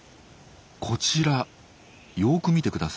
こちらよく見てください。